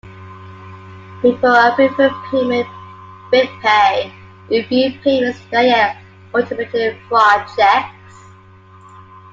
Before approving payment, Bidpay reviewed payments via automated fraud checks.